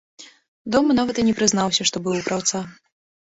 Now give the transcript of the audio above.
Дома нават і не прызнаўся, што быў у краўца.